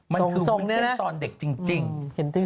มันคือวุ้นเส้นตอนเด็กจริง